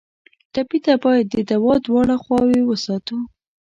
ټپي ته باید د دوا دواړه خواوې وساتو.